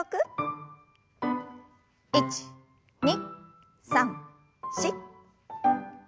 １２３４。